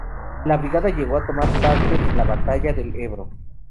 La brigada llegó a tomar parte en la batalla del Ebro.